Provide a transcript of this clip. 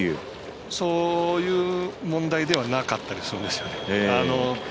そういう問題ではなかったですよね。